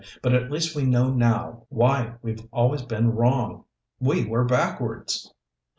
"But at least we know now why we've always been wrong. We were backwards!"